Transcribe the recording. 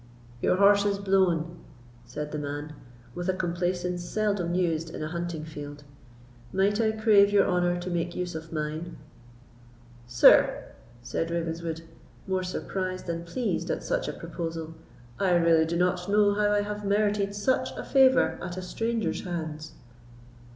"Your horse is blown," said the man, with a complaisance seldom used in a hunting field. "Might I crave your honour to make use of mine?" "Sir," said Ravenswood, more surprised than pleased at such a proposal. "I really do not know how I have merited such a favour at a stranger's hands."